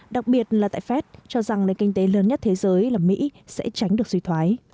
đặc biệt là tại fed cho rằng nền kinh tế lớn nhất thế giới là mỹ sẽ tránh được suy thoái